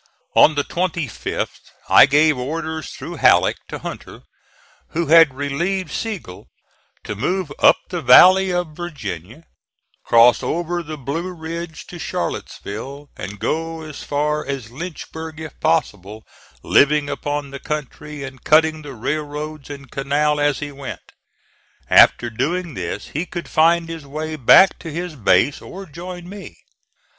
On the 25th I gave orders, through Halleck, to Hunter, who had relieved Sigel, to move up the Valley of Virginia, cross over the Blue Ridge to Charlottesville and go as far as Lynchburg if possible, living upon the country and cutting the railroads and canal as he went. After doing this he could find his way back to his base, or join me.